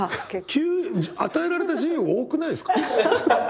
急与えられた自由多くないですか？